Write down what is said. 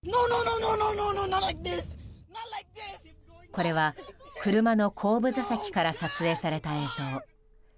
これは車の後部座席から撮影された映像。